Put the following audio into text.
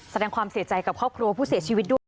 แสดงความเสียใจกับครอบครัวผู้เสียชีวิตด้วย